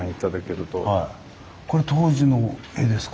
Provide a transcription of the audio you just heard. これ当時の絵ですか。